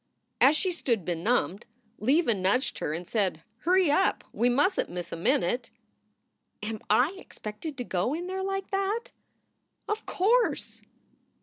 As she stood benumbed Leva nudged her and said, "Hurry up; we mustn t miss a minute." "Am I expected to go in there like that?" "Of course!"